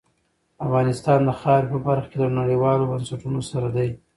افغانستان د خاورې په برخه کې له نړیوالو بنسټونو سره دی.